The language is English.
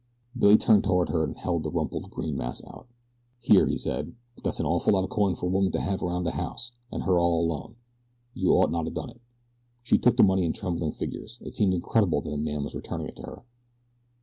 Billy turned toward her and held the rumpled green mass out. "Here," he said; "but that's an awful lot o' coin for a woman to have about de house an' her all alone. You ought not to a done it." She took the money in trembling fingers. It seemed incredible that the man was returning it to her.